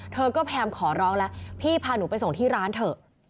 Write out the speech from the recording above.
เธอก็พยายามขอร้องแล้วพี่พาหนูไปส่งที่ร้านเถอะ